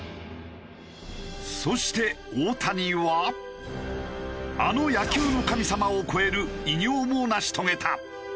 そして大谷はあの野球の神様を超える偉業も成し遂げた。